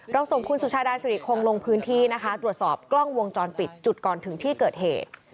ส่งคุณสุชาดาสุริคงลงพื้นที่นะคะตรวจสอบกล้องวงจรปิดจุดก่อนถึงที่เกิดเหตุ